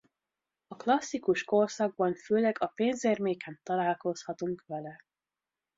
A klasszikus korszakban főleg a pénzérméken találkozhatunk vele.